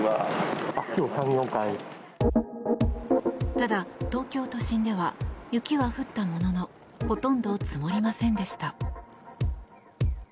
ただ、東京都心では雪は降ったもののほとんど積もりませんでした。